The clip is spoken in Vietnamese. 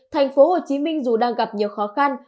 tp hcm dù đang gặp nhiều khó khăn